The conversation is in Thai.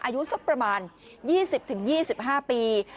อายุสักประมาณ๒๐๒๕ปี